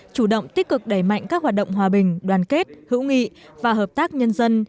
chủ động tích cực đẩy mạnh các hoạt động hòa bình đoàn kết hữu nghị và hợp tác nhân dân